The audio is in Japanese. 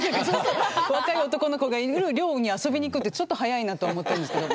若い男の子がいる寮に遊びに行くってちょっと早いなと思ったんですけど。